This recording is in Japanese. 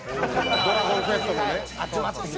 『ドラゴンクエスト』のね。